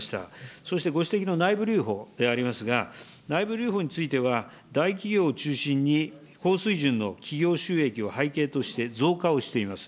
そしてご指摘の内部留保でありますが、内部留保については、大企業を中心に高水準の企業収益を背景として増加をしています。